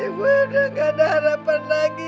ya gimana gak ada harapan lagi